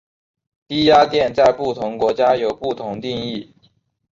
低压电在不同国家有不同定义。